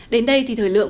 đến đây thì thời lượng